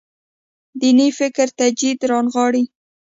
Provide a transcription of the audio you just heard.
دیني فکر تجدید رانغاړي.